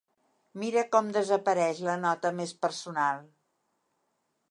Mira com desapareix la nota més personal!